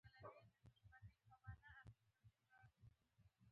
سوله وشي.